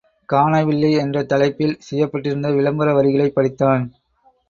காணவில்லை என்ற தலைப்பில் செய்யப்பட்டிருந்த விளம்பர வரிகளைப் படித்தான்.